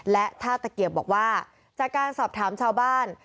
และท่าตะเกียบบอกว่าจากการสอบถามชาวบ้าน